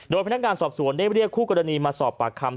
พนักงานสอบสวนได้เรียกคู่กรณีมาสอบปากคำ